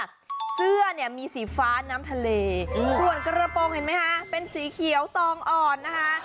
เสื้อเนี่ยมีสีฟ้าน้ำทะเลส่วนกระโปรงเห็นไหมคะเป็นสีเขียวตองอ่อนนะคะ